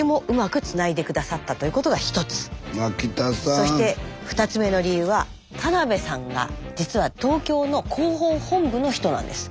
そして２つ目の理由は田辺さんが実は東京の広報本部の人なんです。